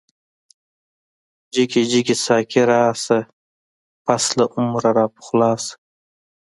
جګی جګی ساقی راشه، پس له عمره راپخلا شه